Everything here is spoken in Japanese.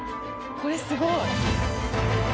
これすごい。